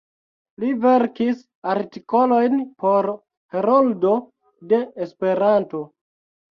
Li verkis artikolojn por "Heroldo de Esperanto.